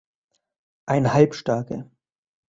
Ein Halbstarker!